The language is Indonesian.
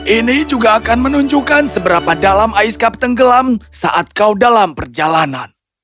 ini juga akan menunjukkan seberapa dalam ais kapten gelam saat kau dalam perjalanan